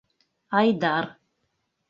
Айдар.